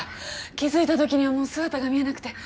気づいた時にはもう姿が見えなくて。